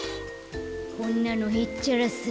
こんなのへっちゃらさ。